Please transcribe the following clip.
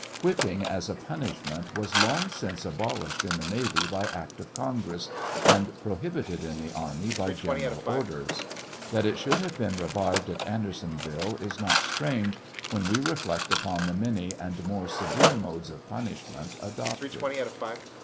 Whipping as a punishment was long since abolished in the navy by act of Congress, and prohibited in the army by general orders. That it should have been revived at Andersonville is not strange when we reflect upon the many and more severe modes of punishment adopted.